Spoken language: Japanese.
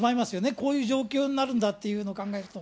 こういう状況になるんだっていうのを考えると。